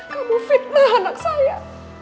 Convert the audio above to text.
kamu fitnah anak saya